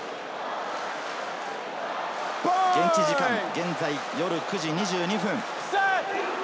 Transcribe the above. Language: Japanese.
現地時間、現在、夜９時２２分。